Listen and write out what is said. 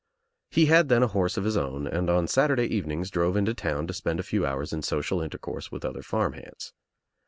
He had then a horse of his own and on Saturday evenings drove into town to spend a few hours in social intercourse with other farm hands.